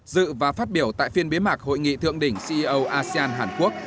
dự và phát biểu tại phiên bế mạc hội nghị thượng đỉnh ceo asean hàn quốc